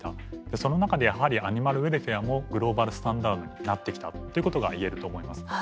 その中でやはりアニマルウェルフェアもグローバルスタンダードになってきたということが言えると思います。